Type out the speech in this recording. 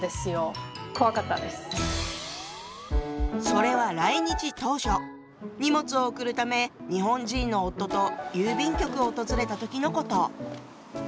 それは来日当初荷物を送るため日本人の夫と郵便局を訪れた時のこと。